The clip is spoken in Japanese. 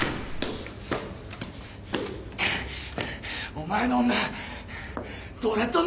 お前の女どうなっとんのじゃ！？